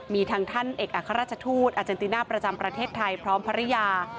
มีทางท่านเอกอัครราชทูตอาเจนติน่าประจำประเทศไทยพร้อมภรรยา